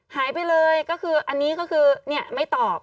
หายไปเลยก็คืออันนี้ก็คือไม่ตอบ